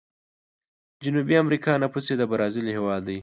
جنوبي امريکا نفوس یې د برازیل هیواد دی.